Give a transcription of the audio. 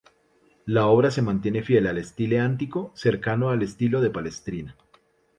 La obra se mantiene fiel al Stile Antico cercano al estilo de Palestrina.